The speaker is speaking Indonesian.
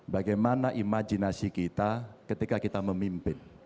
bagaimana imajinasi kita ketika kita memimpin